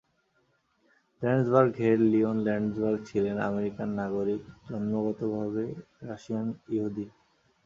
Landsberg Herr Leon Landsberg ছিলেন American নাগরিক, জন্মগতভাবে রাশিয়ান য়াহুদী।